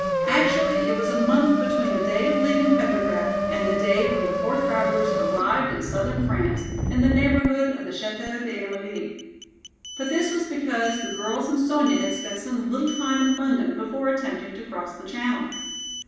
Actually it was a month between the day of leaving Petrograd and the day when the four travelers arrived in southern France in the neighborhood of the Chateau d'Amélie. But this was because the girls and Sonya had spent some little time in London before attempting to cross the channel.